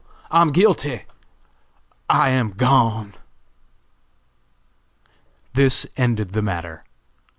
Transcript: I am guilty!! I am gone!!!" This ended the matter.